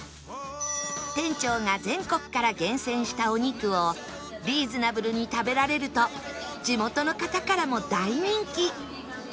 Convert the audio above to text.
店長が全国から厳選したお肉をリーズナブルに食べられると地元の方からも大人気